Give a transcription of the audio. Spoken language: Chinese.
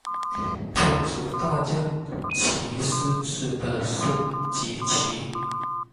天竺大将棋狮子的升级棋。